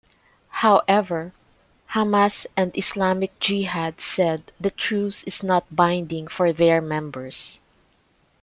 However, Hamas and Islamic Jihad said the truce is not binding for their members.